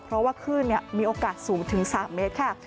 เพราะว่าคลื่นมีโอกาสสูงถึง๓เมตรค่ะ